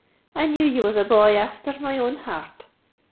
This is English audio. I knew you was a boy afther my own heart!"